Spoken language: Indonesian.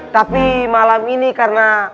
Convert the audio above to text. tapi malam ini karena